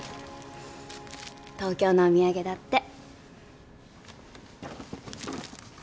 東京のお土産だって。